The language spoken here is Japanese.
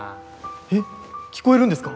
えっ聞こえるんですか？